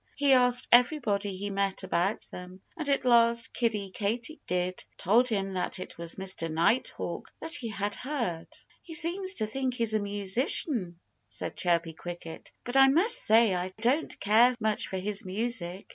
He asked everybody he met about them. And at last Kiddie Katydid told him that it was Mr. Nighthawk that he had heard. "He seems to think he's a musician," said Chirpy Cricket. "But I must say I don't care much for his music.